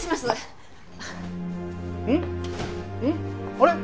あれ？